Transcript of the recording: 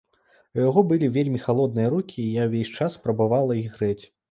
У яго былі вельмі халодныя рукі і я ўвесь час спрабавала іх грэць.